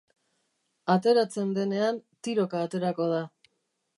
Ateratzen denean, tiroka aterako da.